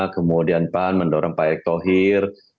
kemudian pan mendorong pak ekohir